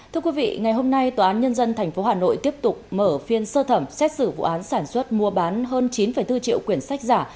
thưa quý vị ngày hôm nay tòa án nhân dân tp hà nội tiếp tục mở phiên sơ thẩm xét xử vụ án sản xuất mua bán hơn chín bốn triệu quyển sách giả